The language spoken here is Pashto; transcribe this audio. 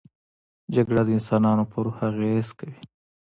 جګړه د انسانانو پر روح اغېز کوي